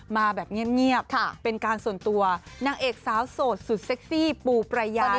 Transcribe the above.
มาแบบเงียบเป็นการส่วนตัวนางเอกสาวโสดสุดเซ็กซี่ปูปรายา